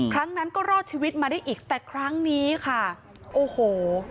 ครั้งนั้นก็รอดชีวิตมาได้อีกแต่ครั้งนี้ค่ะโอ้โห